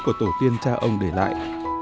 của tổ tiên cha ông để lại